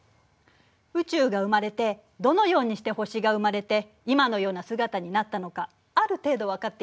宇宙が生まれてどのようにして星が生まれて今のような姿になったのかある程度分かっているの。